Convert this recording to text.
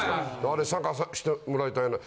あれ参加さしてもらいたいな。